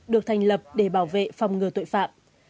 được thành lập để bảo vệ phòng ngừa tội phạm